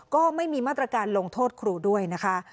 ก็ไม่มีมาตรการลงโทษครูด้วยนะคะ